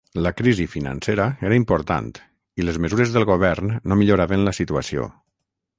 La crisi financera era important i les mesures del govern no milloraven la situació.